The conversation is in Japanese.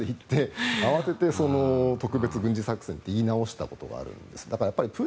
ヴァイまで言って慌てて特別軍事作戦って言い直したことがあるんです。